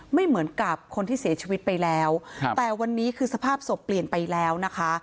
ไม่เหมือนกับคนที่เสียชีวิตไปแล้วครับแต่วันนี้คือสภาพศพเปลี่ยนไปแล้วนะคะ